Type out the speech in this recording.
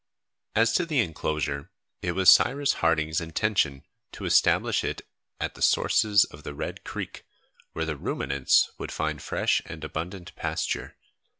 As to the enclosure, it was Cyrus Harding's intention to establish it at the sources of the Red Creek, where the ruminants would find fresh and abundant pasture.